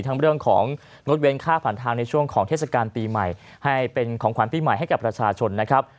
เรื่องของงดเว้นค่าผ่านทางในช่วงของเทศกาลปีใหม่ให้เป็นของขวัญปีใหม่ให้กับประชาชนนะครับ